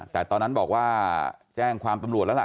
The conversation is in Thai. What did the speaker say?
แต่ตอนนั้นบอกว่าแจ้งความตำรวจแล้วล่ะ